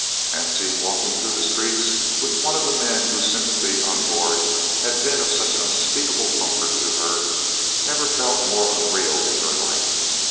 Hansie, walking through the streets with one of the men whose sympathy on board had been of such unspeakable comfort to her, never felt more unreal in her life.